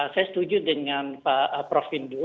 saya setuju dengan pak prof windu